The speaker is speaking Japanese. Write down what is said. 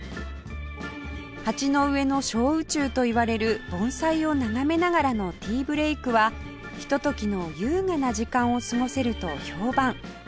鉢の上の小宇宙といわれる盆栽を眺めながらのティーブレークはひとときの優雅な時間を過ごせると評判